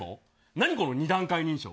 なにこの２段階認証。